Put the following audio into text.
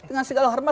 dengan segala hormat